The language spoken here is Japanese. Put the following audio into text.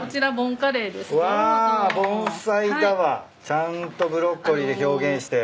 ちゃんとブロッコリーで表現して。